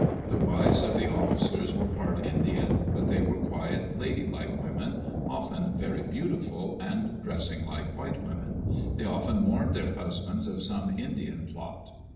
The wives of the officers were part Indian, but they were quiet, ladylike women, often very beautiful, and dressing like white women. [They often warned their husbands of some Indian plot.